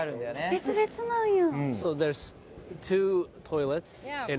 「別々なんや」